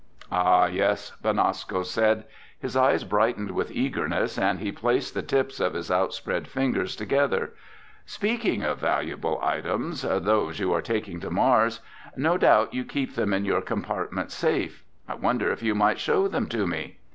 "Ah, yes," Benasco said. His eyes brightened with eagerness and he placed the tips of his outspread fingers together. "Speaking of valuable items—those you are taking to Mars—no doubt you keep them in your compartment safe. I wonder if you might show them to me?"